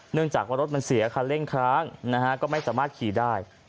จากว่ารถมันเสียคันเร่งค้างนะฮะก็ไม่สามารถขี่ได้